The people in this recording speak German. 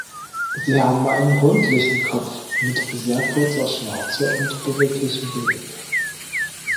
Sie haben einen rundlichen Kopf mit sehr kurzer Schnauze und beweglichem Genick.